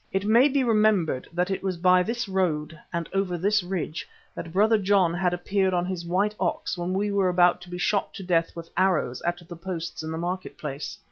It may be remembered that it was by this road and over this ridge that Brother John had appeared on his white ox when we were about to be shot to death with arrows at the posts in the market place.